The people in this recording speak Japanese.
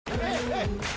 はい！